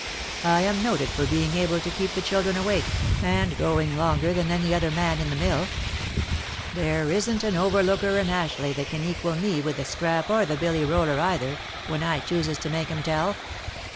I am noted for being able to keep the children awake, and going longer than any other man in the mill. There isn't an . overlooker in Ashleigh that can equal me with the strap or the billy roller either, when I chooses to make 'em tell."